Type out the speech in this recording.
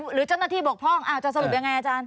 หรือเจ้าหน้าที่บกพร่องจะสรุปยังไงอาจารย์